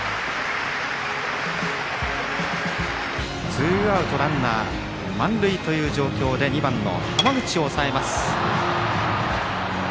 ツーアウトランナー満塁という状況で２番の浜口を抑えます。